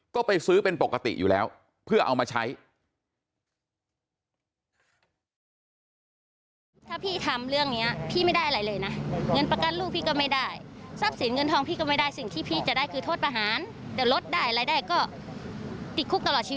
ก็ไปซื้อเป็นปกติอยู่แล้วเพื่อเอามาใช้